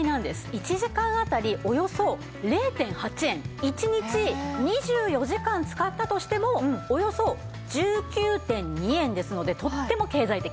１時間あたりおよそ０．８円１日２４時間使ったとしてもおよそ１９．２円ですのでとっても経済的！